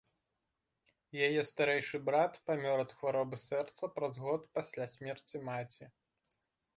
Яе старэйшы брат памёр ад хваробы сэрца праз год пасля смерці маці.